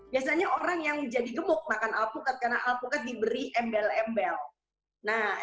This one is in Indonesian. biasanya orang yang jadi gemuk makan alpukat maka dia akan merasa lebih enak